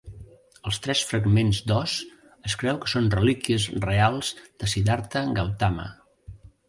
Els tres fragments d'os es creu que són relíquies reals de Siddharta Gautama.